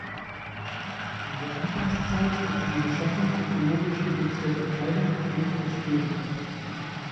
In der Anfangszeit war die Beschaffung ökologisch produzierter Kleidung durchaus schwierig.